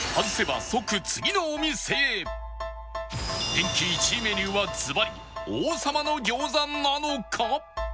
人気１位メニューはずばり王さまの餃子なのか！？